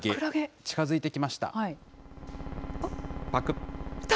近づいてきました。